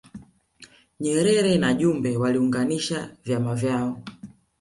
Nyerere na Jumbe waliunganisha vyama vyao